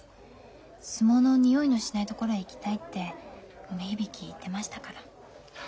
相撲のにおいのしない所へ行きたいって梅響言ってましたから。